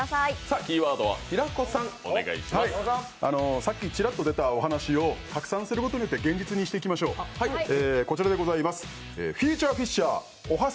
さっきちらっと出たお話を拡散することによって現実にしていきましょう、こちらでございます。